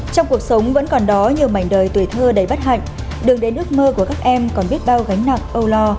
trong cuộc sống vẫn còn đó nhiều mảnh đời tuổi thơ đầy bất hạnh đường đến ước mơ của các em còn biết bao gánh nặng âu lo